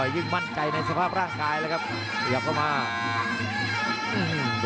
หมดยกที่๑ครับพักกันก่อนครับ